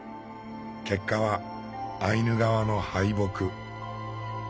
結果はアイヌ側の敗北。